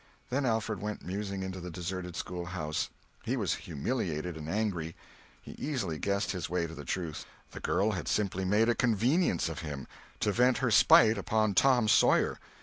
Then Alfred went musing into the deserted schoolhouse. He was humiliated and angry. He easily guessed his way to the truth—the girl had simply made a convenience of him to vent her spite upon Tom Sawyer.